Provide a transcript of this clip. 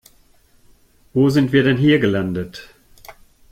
Wo sind wir denn hier gelandet?